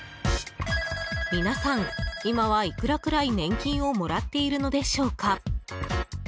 皆さん、今はいくらくらい年金をもらっているのでしょうか。